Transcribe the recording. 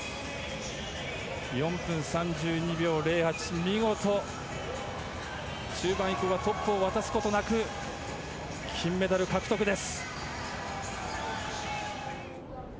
４分３２秒０８見事、中盤以降がトップを渡すことなく金メダル獲得です。